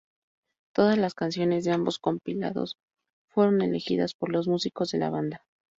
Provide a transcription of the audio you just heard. Todas las canciones de ambos compilados fueron elegidas por los músicos de la banda.